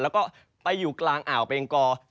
แล้วก็ไปอยู่กลางอ่าวเบงกอ